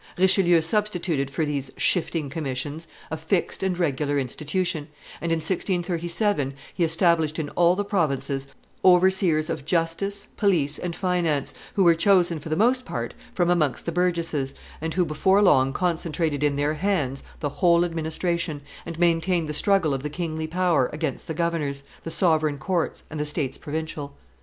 Richelieu substituted for these shifting commissions a fixed and regular institution, and in 1637 he established in all the provinces overseers of justice, police, and finance, who were chosen for the most part from amongst the burgesses, and who before long concentrated in their hands the whole administration, and maintained the struggle of the kingly power against the governors, the sovereign courts, and the states provincial.